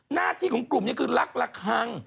หน้าที่ของกลุ่มนี้คือรักละคัง